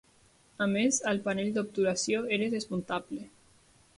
A més, el panell d'obturació era desmuntable.